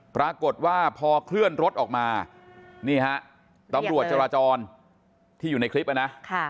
ปรากฏว่าพอเคลื่อนรถออกมานี่ฮะตำรวจจราจรที่อยู่ในคลิปนะ